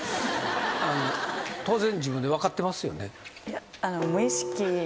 あの当然自分で分かってますよね？